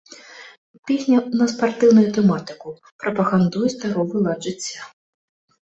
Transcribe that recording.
Песня на спартыўную тэматыку, прапагандуе здаровы лад жыцця.